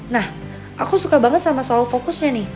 nah aku suka banget sama soal fokusnya nih